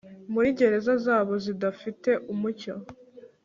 Muri gereza zabo zidafite umucyo